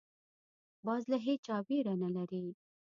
باز له هېچا ویره نه لري